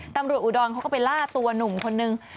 อุดรเขาก็ไปล่าตัวหนุ่มคนนึง